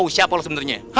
oi dapet soalnya